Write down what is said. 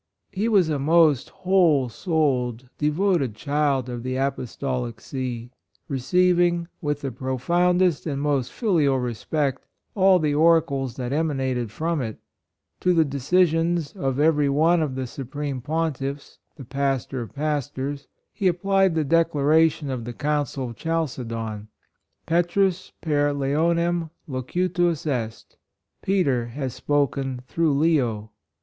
He was a most whole souled, de voted child of the Apostolic See — receiving, with the profoundest and most filial respect, all the oracles that emanated from it. To the de cisions of every one of the Supreme 102 PERSONAL RELIGION 5 Pontiffs — the Pastor of Pastors — he applied the declaration of the Council of Chalcedon : "Petrus j)er Leonem locuutus est" — Peter has spoken through Leo.